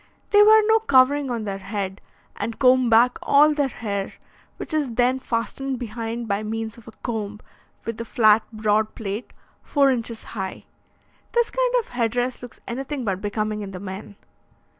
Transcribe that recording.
They wear no covering on their head, and comb back all their hair, which is then fastened behind by means of a comb, with a flat, broad plate, four inches high. This kind of head dress looks anything but becoming in the men.